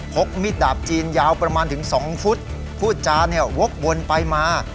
กมิดดาบจีนยาวประมาณถึง๒ฟุตพูดจาเนี่ยวกวนไปมา